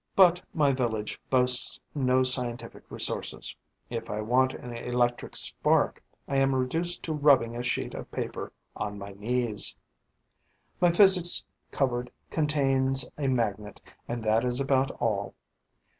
But my village boasts no scientific resources: if I want an electric spark, I am reduced to rubbing a sheet of paper on my knees. My physics cupboard contains a magnet; and that is about all.